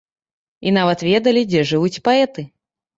І нават ведалі, дзе жывуць паэты.